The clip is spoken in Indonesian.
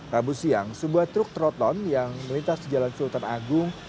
rabu siang sebuah truk troton yang melintas di jalan sultan agung